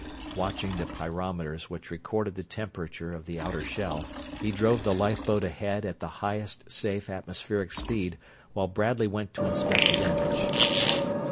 Watching the pyrometers which recorded the temperature of the outer shell, he drove the lifeboat ahead at the highest safe atmospheric speed while Bradley went to inspect the damage.